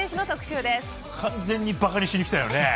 完全にばかにしにきたよね。